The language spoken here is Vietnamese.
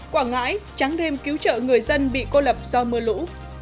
quảng ngãi trắng đêm cứu trợ người dân bị cô lập do mưa lũ